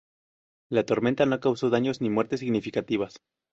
La tormenta no causó daños ni muertes significativas.